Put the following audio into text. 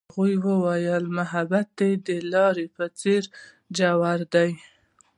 هغې وویل محبت یې د لاره په څېر ژور دی.